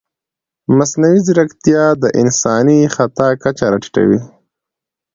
مصنوعي ځیرکتیا د انساني خطا کچه راټیټوي.